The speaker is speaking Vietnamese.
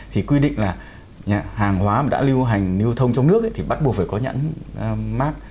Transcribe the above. thì quy định là hàng hóa mà đã lưu hành lưu thông trong nước thì bắt buộc phải có nhãn mát